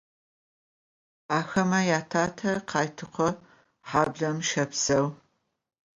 Ахэмэ ятатэ Къайтыкъо хьаблэм щэпсэу.